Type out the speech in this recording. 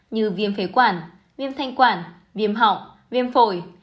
như viêm phế quản viêm thanh quản viêm họng viêm phổi